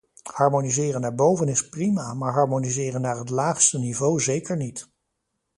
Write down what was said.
Harmoniseren naar boven is prima, maar harmoniseren naar het laagste niveau zeker niet.